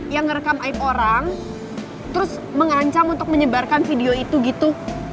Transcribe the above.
yang merekam aib orang terus mengancam untuk menyebarkan video itu gitu